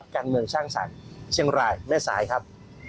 การเมืองช่างศักดิ์เชียงรายแม่สายครับ